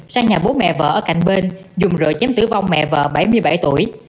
sang nhà bố mẹ vợ ở cạnh bên dùng rồi chém tử vong mẹ vợ bảy mươi bảy tuổi